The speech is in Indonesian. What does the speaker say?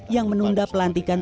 yang menunda pelantikan penjabat